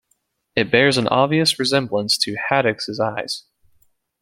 It bears an obvious resemblance to Haddocks' Eyes.